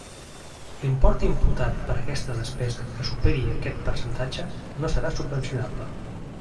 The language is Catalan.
L'import imputat per aquesta despesa que superi aquest percentatge no serà subvencionable.